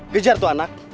kejar tuh anak